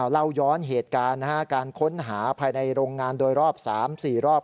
เล่าย้อนเหตุการณ์การค้นหาภายในโรงงานโดยรอบ๓๔รอบ